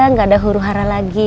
nggak ada huru hara lagi